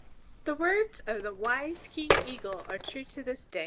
The words of the wise King Eagle are true to this day.